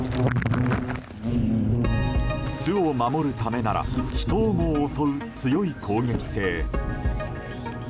巣を守るためなら人をも襲う強い攻撃性。